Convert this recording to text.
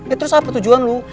eh terus apa tujuan lo